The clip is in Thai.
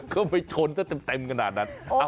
ก็ไม่ชนเต็มกระดาษนั้น